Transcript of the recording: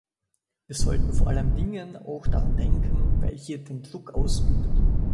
Wir sollten vor allen Dingen auch daran denken, wer hier den Druck ausübt.